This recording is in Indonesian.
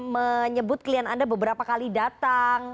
menyebut klien anda beberapa kali datang